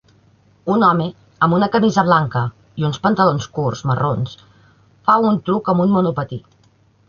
Un home amb camisa blanca i pantalons curts marrons fa un truc amb un monopatí.